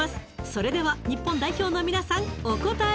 それでは日本代表のみなさんお答え